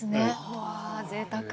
うわぜいたく。